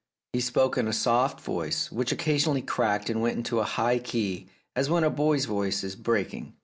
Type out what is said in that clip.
He spoke in a soft voice, which occasionally cracked and went into a high key, as when a boy's voice is breaking.